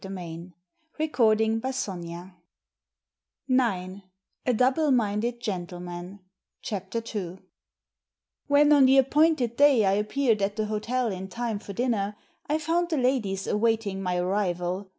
Digitized by VjOOQIC A DOUBLE MINDED GENTLEMAN 235 CHAPTER IL When, on the appointed day, I appeared at the hotel in time for dinner, I found the ladies awaiting my arrival.